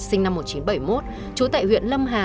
sinh năm một nghìn chín trăm bảy mươi một trú tại huyện lâm hà